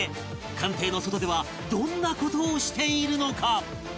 艦艇の外ではどんな事をしているのか？